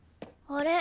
あれ？